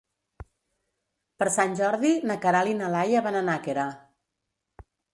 Per Sant Jordi na Queralt i na Laia van a Nàquera.